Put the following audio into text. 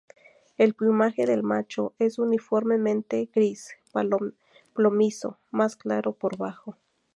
El plumaje del macho es uniformemente gris plomizo, más claro por abajo.